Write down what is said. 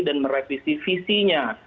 dan merevisi visinya